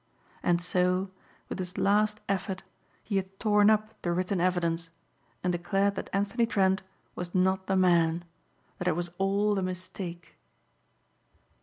And so, with his last effort he had torn up the written evidence and declared that Anthony Trent was not the man; that it was all a mistake.